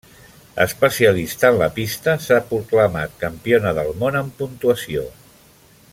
Especialista en la pista, s'ha proclamat Campiona del món en puntuació.